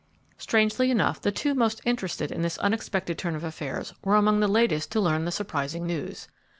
Strangely enough, the two most interested in this unexpected turn of affairs were among the latest to learn the surprising news.